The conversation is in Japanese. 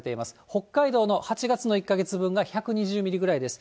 北海道の８月の１か月分が１２０ミリぐらいです。